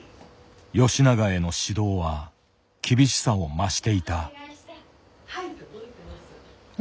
吉永への指導は厳しさを増していた。